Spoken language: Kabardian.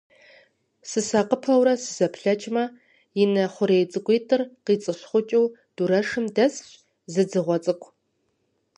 Сысакъыпэурэ сызэплъэкӀмэ, и нэ хъурей цӀыкӀуитӀыр къицӀыщхъукӀыу, дурэшым дэсщ зы дзыгъуэ цӀыкӀу.